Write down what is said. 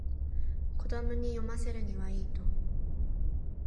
子供に読ませるにはいいと思う